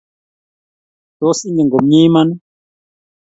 Tos ingen komye iman ii?